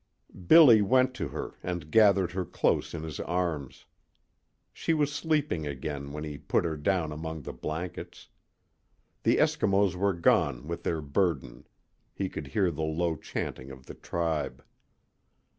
Billy went to her and gathered her close in his arms. She was sleeping again when he put her down among the blankets. The Eskimos were gone with their burden. He could hear the low chanting of the tribe.